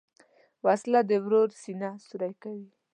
وسله د ورور سینه سوری کوي